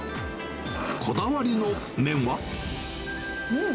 こだわりの麺は？